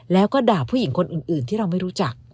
แล้วก็ด่าผู้หญิงคนอื่นที่เราไม่รู้จัก